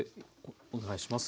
お願いします。